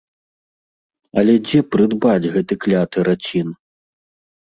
Але дзе прыдбаць гэты кляты рацін?